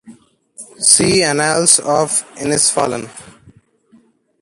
See Annals of Inisfallen.